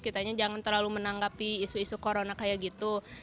kitanya jangan terlalu menanggapi isu isu corona kayak gitu